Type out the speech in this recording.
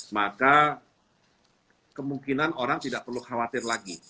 maka kemungkinan orang tidak perlu khawatir lagi